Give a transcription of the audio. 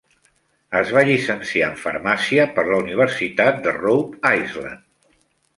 Es va llicenciar en Farmàcia per la Universitat de Rhode Island.